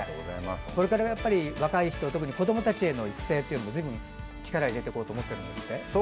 これから若い人特に子どもたちの育成にずいぶん力を入れていこうと思っているんですって？